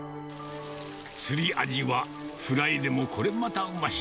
釣りアジはフライでもこれまたうまし。